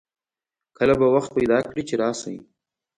کله به وخت پیدا کړي چې راشئ